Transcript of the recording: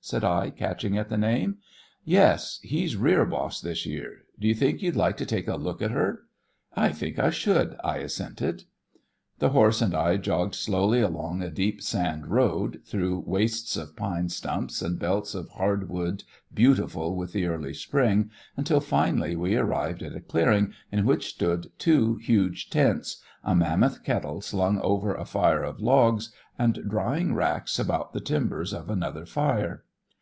said I, catching at the name. "Yes. He's rear boss this year. Do you think you'd like to take a look at her?" "I think I should," I assented. The horse and I jogged slowly along a deep sand road, through wastes of pine stumps and belts of hardwood beautiful with the early spring, until finally we arrived at a clearing in which stood two huge tents, a mammoth kettle slung over a fire of logs, and drying racks about the timbers of another fire.